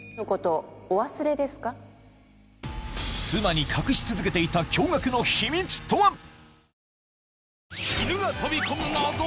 妻に隠し続けていた驚愕の秘密とは？